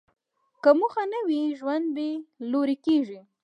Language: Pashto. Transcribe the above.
که موخه نه وي، ژوند بېلوري کېږي.